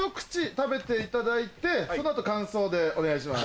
食べていただいてその後感想でお願いします。